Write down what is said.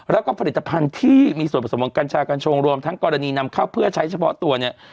แล้วก็ผลิตภัณฑ์ที่มีส่วนผสมของกัญชากัญชงรวมทั้งกรณีนำเข้าเพื่อใช้เฉพาะตัวเนี่ย